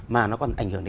mà nó còn ảnh hưởng đến